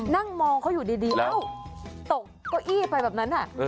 นั่งมองเขาอยู่ดีตกโก้อี้ไปแบบนั้นอะ